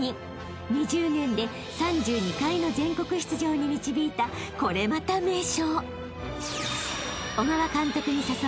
［２０年で３２回の全国出場に導いたこれまた名将］